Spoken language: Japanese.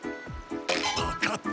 パカッて。